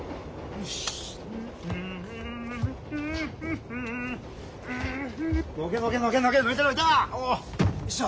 よいしょ！